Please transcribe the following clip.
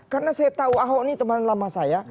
karena saya tahu ahok ini teman lama saya